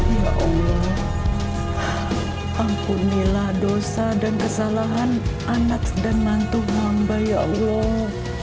ya allah ampunilah dosa dan kesalahan anak dan mantu hamba ya allah